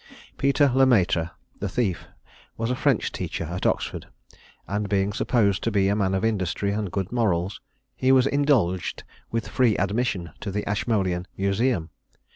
Peter Le Maitre, the thief, was a French teacher at Oxford, and being supposed to be a man of industry and good morals, he was indulged with free admission to the Ashmolean Museum.